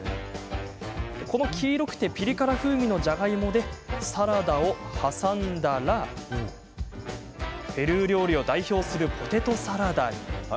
この黄色くてピリ辛風味のじゃがいもでサラダを挟んだらペルー料理を代表するポテトサラダに。